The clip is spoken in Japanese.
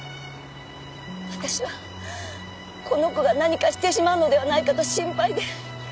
私はこの子が何かしてしまうのではないかと心配で。